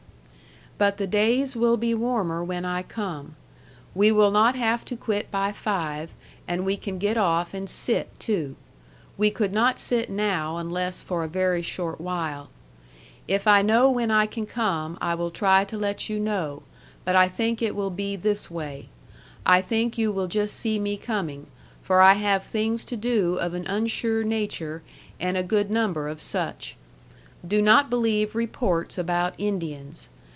But the days will be warmer when I come. We will not have to quit by five, and we can get off and sit too. We could not sit now unless for a very short while. If I know when I can come I will try to let you know, but I think it will be this way. I think you will just see me coming for I have things to do of an unsure nature and a good number of such. Do not believe reports about Indians.